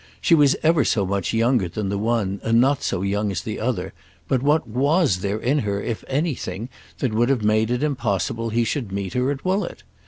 She was ever so much younger than the one and not so young as the other; but what was there in her, if anything, that would have made it impossible he should meet her at Woollett?